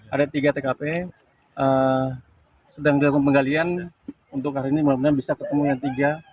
ada tiga tkp sedang dilakukan penggalian untuk hari ini mudah mudahan bisa ketemu yang tiga